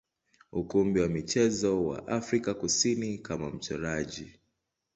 ukumbi wa michezo wa Afrika Kusini kama mchoraji.